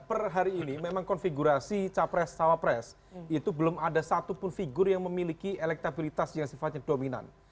per hari ini memang konfigurasi capres cawapres itu belum ada satupun figur yang memiliki elektabilitas yang sifatnya dominan